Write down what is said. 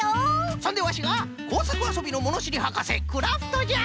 そんでワシがこうさくあそびのものしりはかせクラフトじゃ！